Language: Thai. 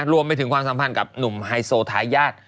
รวมไปถึงความสัมพันธ์กับหนุ่มไฮโซทายาท